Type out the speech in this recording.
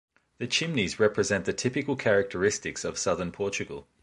The chimneys represent the typical characteristics of southern Portugal.